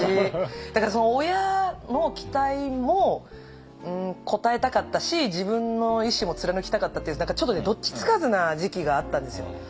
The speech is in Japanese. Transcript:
だから親の期待も応えたかったし自分の意志も貫きたかったっていうちょっとどっちつかずな時期があったんですよ。